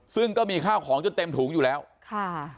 ซึ่งก็มีข้าวของจนเต็มถุงอยู่แล้วค่ะ